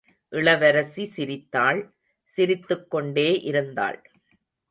இளவரசி சிரித்தாள் சிரித்துக் கொண்டே இருந்தாள்!